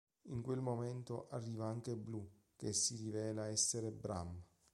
In quel momento arriva anche Blue, che si rivela essere Bram.